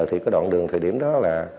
thì cái đoạn đường thời điểm đó là